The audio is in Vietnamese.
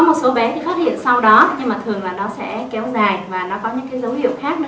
một số bé thì phát hiện sau đó nhưng mà thường là nó sẽ kéo dài và nó có những cái dấu hiệu khác nữa